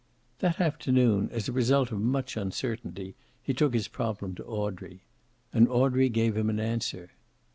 That afternoon, as a result of much uncertainty, he took his problem to Audrey. And Audrey gave him an answer.